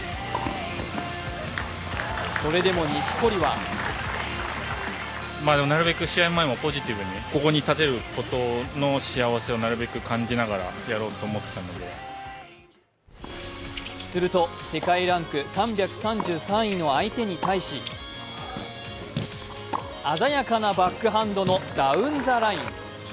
それでも錦織はすると世界ランク３３３位の相手に対し鮮やかなバックハンドのダウンザライン。